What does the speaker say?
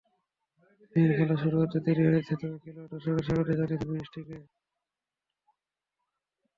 দিনের খেলা শুরু হতে দেরি হয়েছে, তবে খেলোয়াড়-দর্শকেরা স্বাগতই জানিয়েছেন বৃষ্টিকে।